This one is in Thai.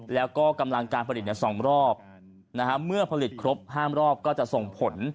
แล้วก็กำลังการผลิตในสองรอบนะฮะเมื่อผลิตครบห้ามรอบก็จะส่งผล